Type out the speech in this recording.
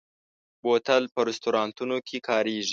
بوتل په رستورانتونو کې کارېږي.